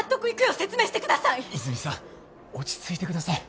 和泉さん落ち着いてください。